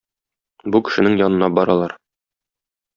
Бу кешенең янына баралар.